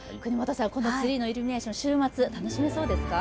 このツリーのイルミネーション、週末楽しめそうですか？